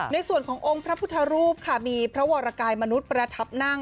ในส่วนขององค์พระพุทธรูปค่ะมีพระวรกายมนุษย์ประทับนั่ง